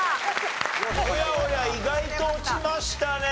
おやおや意外と落ちましたね。